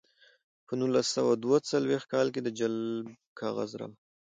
په نولس سوه دوه څلویښت کال د جلب کاغذ راغی